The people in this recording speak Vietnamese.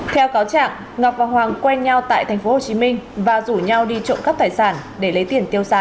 theo cáo trạng ngọc và hoàng quen nhau tại tp hcm và rủ nhau đi trộm cắp tài sản để lấy tiền tiêu xài